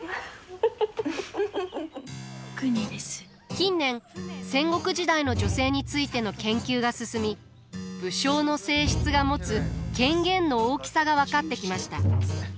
近年戦国時代の女性についての研究が進み武将の正室が持つ権限の大きさが分かってきました。